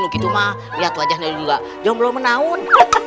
lihat wajahnya juga jomblo menaun